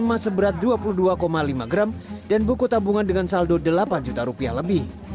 emas seberat dua puluh dua lima gram dan buku tabungan dengan saldo delapan juta rupiah lebih